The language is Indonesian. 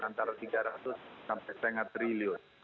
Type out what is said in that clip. antara tiga ratus sampai lima ratus triliun